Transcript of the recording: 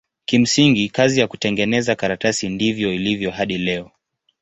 Kimsingi kazi ya kutengeneza karatasi ndivyo ilivyo hadi leo.